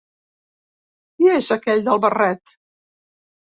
Qui és aquell del barret?